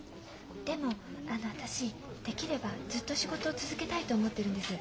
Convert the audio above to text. でもあの私できればずっと仕事を続けたいと思ってるんです。